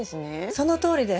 そのとおりです。